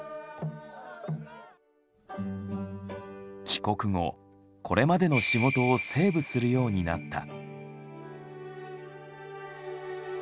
帰国後これまでの仕事をセーブするようになった。